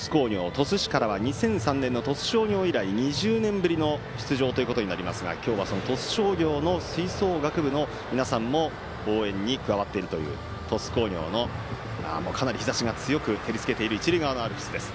鳥栖市からは２００３年の鳥栖商業以来２０年ぶりの出場となりますが今日はその鳥栖商業の吹奏楽部の皆さんも応援に加わっているという鳥栖工業の、かなり日ざしが強く照り付けている一塁側アルプスです。